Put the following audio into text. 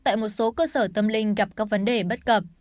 tại một số cơ sở tâm linh gặp các vấn đề bất cập